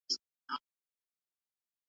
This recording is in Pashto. ګورګین په اصل کې یو یاغي او باغي انسان و.